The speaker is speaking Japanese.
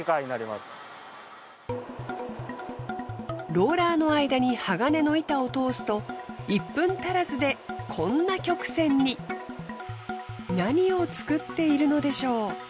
ローラーの間に鋼の板を通すと１分足らずでこんな曲線に。何を造っているのでしょう？